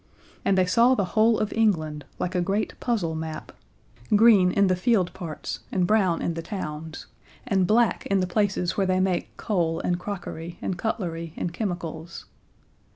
And they saw the whole of England, like a great puzzle map green in the field parts and brown in the towns, and black in the places where they make coal and crockery and cutlery and chemicals.